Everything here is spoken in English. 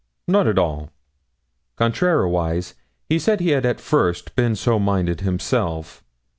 'Not at all. Contrariwise, he said he had at first been so minded himself.